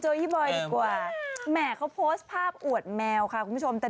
พี่บอยดีกว่าแหมเขาโพสต์ภาพอวดแมวค่ะคุณผู้ชมแต่